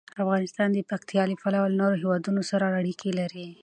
افغانستان د پکتیا له پلوه له نورو هېوادونو سره اړیکې لري.